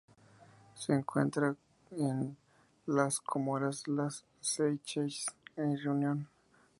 Se encuentra en las Comoras las Seychelles y Reunión.